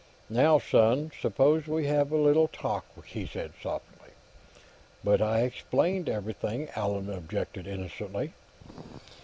"Now, son, suppose we have a little talk," he said softly. "But I explained everything." Allan objected innocently.